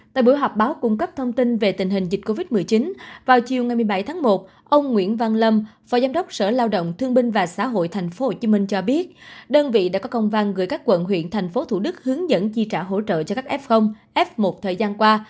tại buổi họp báo cung cấp thông tin về tình hình dịch covid một mươi chín vào chiều ngày một mươi bảy tháng một ông nguyễn văn lâm phó giám đốc sở lao động thương binh và xã hội tp hcm cho biết đơn vị đã có công văn gửi các quận huyện thành phố thủ đức hướng dẫn chi trả hỗ trợ cho các f f một thời gian qua